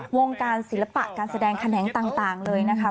วงการศิลปะการแสดงแขนงต่างเลยนะคะ